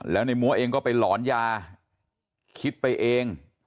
แล้วในมัวเองก็ไปหลอนยาคิดไปเอง